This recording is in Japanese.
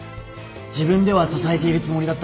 自分では支えているつもりだったけど。